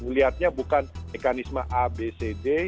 lihatnya bukan mekanisme a b c d